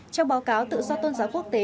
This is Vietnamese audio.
trong báo cáo tự do tôn giáo quốc tế